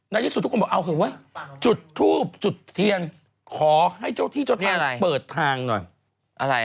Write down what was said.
ในที่สุดทุกคนบอกเอาเหอะเว้ยจุดทูบจุดเทียนขอให้เจ้าที่เจ้าทางเปิดทางหน่อยอะไรอ่ะ